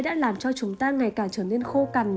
đã làm cho chúng ta ngày càng trở nên khô cằn